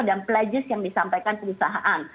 dan pledges yang disampaikan perusahaan